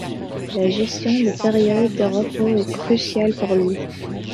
La gestion des périodes de repos est cruciale pour lui.